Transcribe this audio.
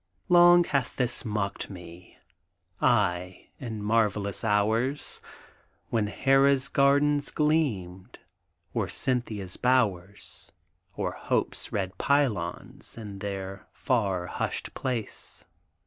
Long hath this mocked me: aye in marvelous hours, When Hera's gardens gleamed, or Cynthia's bowers, Or Hope's red pylons, in their far, hushed place!